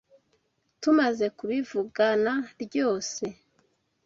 Tumaze kubivugana ryose.